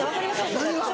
何が？